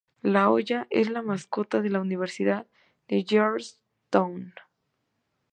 La Hoya es la mascota de la Universidad de Georgetown.